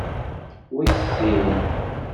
Wis sin.